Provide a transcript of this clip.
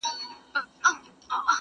نه په غم کي د مېږیانو د غمونو!